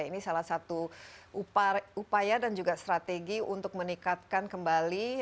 ini salah satu upaya dan juga strategi untuk meningkatkan kembali